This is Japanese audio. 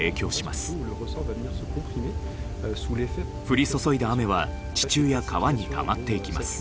降り注いだ雨は地中や川にたまっていきます。